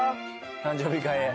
「誕生日会へ」